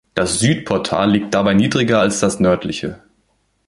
Das Südportal liegt dabei niedriger als das nördliche.